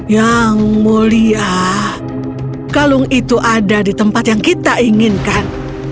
yang mulia kalung itu ada di tempat yang kita inginkan